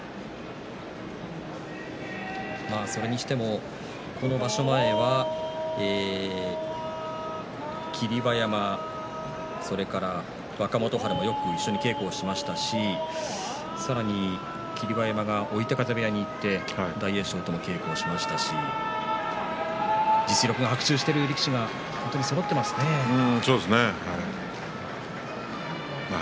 それにしても、この場所前は霧馬山、それから若元春もよく一緒に稽古しましたしさらに、霧馬山が追手風部屋に行って大栄翔と稽古しましたし実力は伯仲している力士がそうですね。